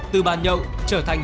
từ bàn nhậu trở thành